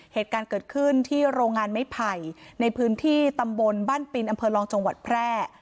เหตุการณ์เกิดขึ้นที่โรงงานไม้ไผ่ในพื้นที่ตำบลบ้านปินอำเภอรองจังหวัดแพร่